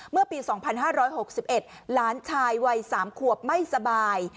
เมื่อปี๒๕๖๑หลานชายวัย๓ขวบไม่สบาย